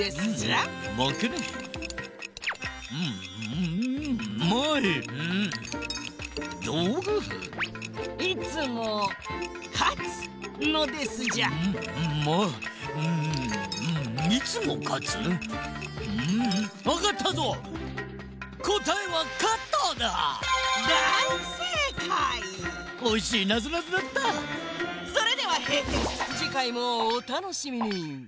じかいもおたのしみに！